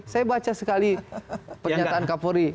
saya baca sekali pernyataan kapolri